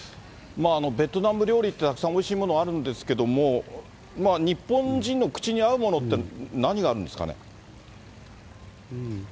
ベトナム料理というのは、たくさんおいしいものあるんですけれども、日本人の口に合うものって、何があるんですかね。